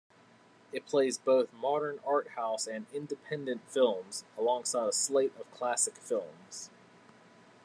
It plays both modern art-house and independent films, alongside a slate of classic films.